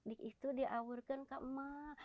itu diawarkan ke imas